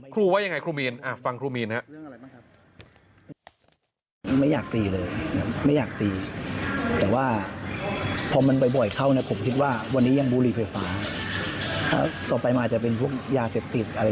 ว่ายังไงครูมีนฟังครูมีนครับ